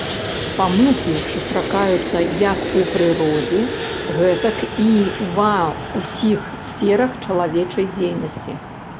Памылкі сустракаюцца як у прыродзе, гэтак і ва ўсіх сферах чалавечай дзейнасці.